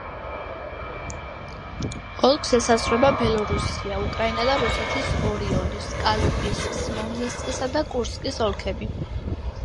ოლქს ესაზღვრება ბელორუსია, უკრაინა და რუსეთის ორიოლის, კალუგის, სმოლენსკისა და კურსკის ოლქები.